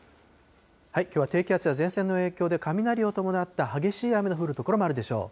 きょうは低気圧や前線の影響で、雷を伴って激しい雨の降る所もあるでしょう。